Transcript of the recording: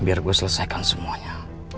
biar gue selesaikan semuanya